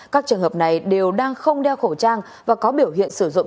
các trường hợp này đều đang không đeo khẩu trang và có biểu hiện sử dụng